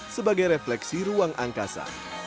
sebagai refleksi ruang angkasa